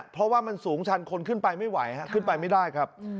เพราะว่ามันสูงชันคนขึ้นไปไม่ไหวขึ้นไปไม่ได้ครับ